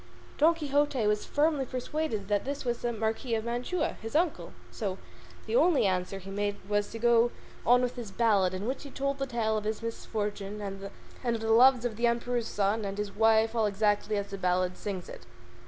Don Quixote was firmly persuaded that this was the Marquis of Mantua, his uncle, so the only answer he made was to go on with his ballad, in which he told the tale of his misfortune, and of the loves of the Emperor's son and his wife all exactly as the ballad sings it.